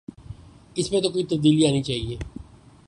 اس میں تو کوئی تبدیلی آنی چاہیے۔